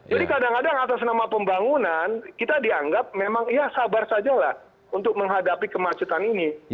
jadi kadang kadang atas nama pembangunan kita dianggap memang ya sabar saja lah untuk menghadapi kemacetan ini